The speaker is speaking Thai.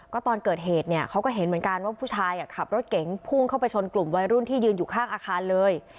ก็ตอนเกิดเหตุเนี่ยเขาก็เห็นเหมือนกันว่าผู้ชายขับรถเก๋งพุ่งเข้าไปชนกลุ่มวัยรุ่นที่ยืนอยู่ข้างอาคารเลย